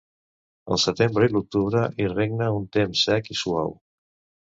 Al setembre i l'octubre hi regna un temps sec i suau.